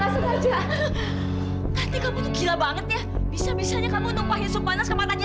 sampai jumpa di video selanjutnya